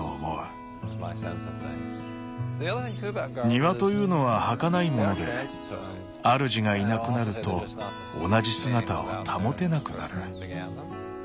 庭というのははかないもので主がいなくなると同じ姿を保てなくなる。